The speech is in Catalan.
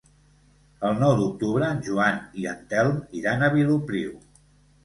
El nou d'octubre en Joan i en Telm iran a Vilopriu.